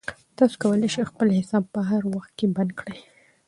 تاسو کولای شئ خپل حساب په هر وخت کې بند کړئ.